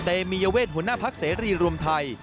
เตมียเวทหัวหน้าพักเสรีรวมไทย